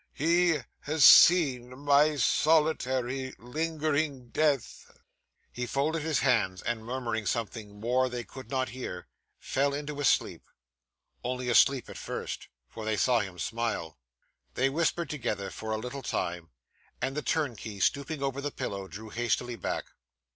He has seen my solitary, lingering death.' He folded his hands, and murmuring something more they could not hear, fell into a sleep only a sleep at first, for they saw him smile. They whispered together for a little time, and the turnkey, stooping over the pillow, drew hastily back.